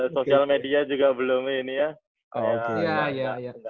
social media juga belum ini ya